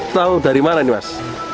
tahu dari mana ini mas